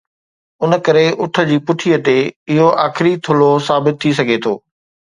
ان ڪري اُٺ جي پٺيءَ تي اهو آخري ٿلهو ثابت ٿي سگهي ٿو.